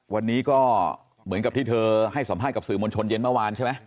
วันนี้ก็เหมือนกับที่เธอให้สัมภาษณ์กับสื่อมวลชนเย็นเมื่อวานใช่ไหม